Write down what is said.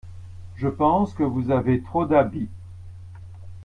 Je pense que vous avez trop d'habits.